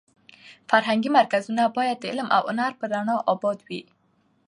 فرهنګي مرکزونه باید د علم او هنر په رڼا اباد وي.